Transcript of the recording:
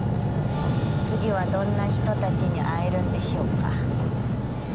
次はどんな人たちに会えるんでしょうか。